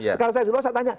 sekarang saya semua saya tanya